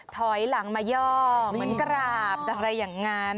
ถอยหลังมาย่อเหมือนกราบอะไรอย่างนั้น